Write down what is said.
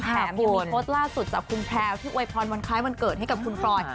ยังมีโพสต์ล่าสุดจากคุณแพลวที่อวยพรวันคล้ายวันเกิดให้กับคุณฟรอย